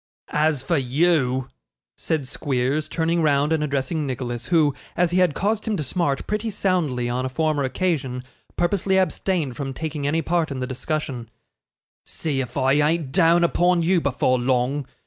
'As for you,' said Squeers, turning round and addressing Nicholas, who, as he had caused him to smart pretty soundly on a former occasion, purposely abstained from taking any part in the discussion, 'see if I ain't down upon you before long.